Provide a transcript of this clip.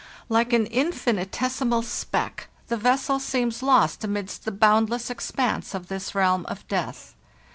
Like an infinitesimal speck, the vessel seems lost amidst the boundless expanse of this realm of death.